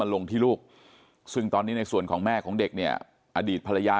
ลงที่ลูกซึ่งตอนนี้ในส่วนของแม่ของเด็กเนี่ยอดีตภรรยา